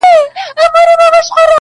o له لېوني څخه ئې مه غواړه، مې ورکوه٫